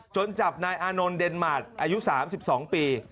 จับนายอานนท์เดนมาร์ทอายุ๓๒ปี